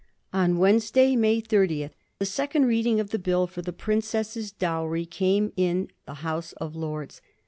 On Wednesday, May 30th, the second reading of the Bill for the princess's dowry came on in the House of Lords.